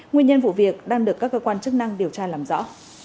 nguyên nhân vụ việc đang được các cơ quan chức năng điều tra làm rõ